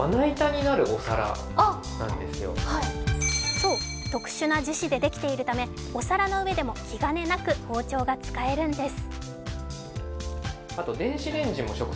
そう、特殊な樹脂でできているためお皿の上でも気兼ねなく包丁が使えるんです。